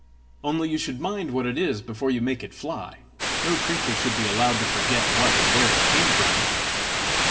Only you should mind what it is before you make it fly! No creature should be allowed to forget what and where it came from!"